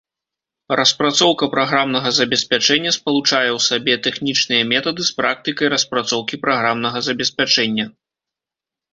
Распрацоўка праграмнага забеспячэння спалучае ў сабе тэхнічныя метады з практыкай распрацоўкі праграмнага забеспячэння.